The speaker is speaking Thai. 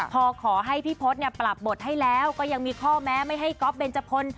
พอขอให้พี่พศปรับบทให้แล้วก็ยังมีข้อแม้ไม่ให้ก๊อฟเบนจพล